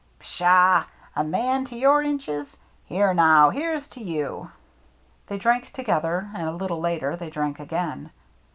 " Pshaw ! A man of your inches ? Here now, here's to you !" They drank together, and a little later they drank again.